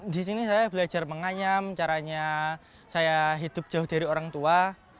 di sini saya belajar menganyam caranya saya hidup jauh dari orang tua